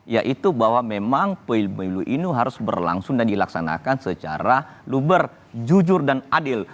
yaitu bahwa memang pemilu ini harus berlangsung dan dilaksanakan secara luber jujur dan adil